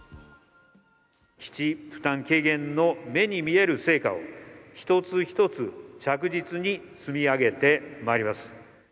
基地負担軽減の目に見える成果を一つ一つ着実に積み上げてまいります。